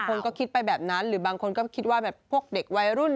คนก็คิดไปแบบนั้นหรือบางคนก็คิดว่าแบบพวกเด็กวัยรุ่น